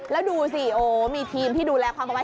แล้วดูสิโอ้มีทีมที่ดูแลความประวัติ